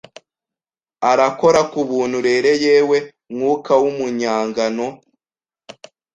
Arakora kubuntu rero yewe mwuka wumunyagano